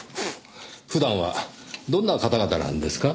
普段はどんな方々なんですか？